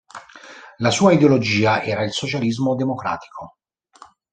La sua ideologia era il socialismo democratico.